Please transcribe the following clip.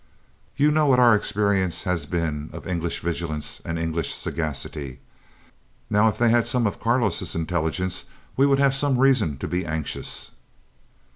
"You know what our experience has been of English vigilance and English sagacity; now, if they had some of Carlo's intelligence we would have some reason to be anxious."